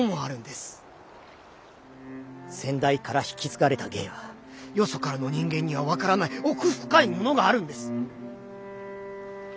先代から引き継がれた芸はよそからの人間には分からない奥深いものがあるんです。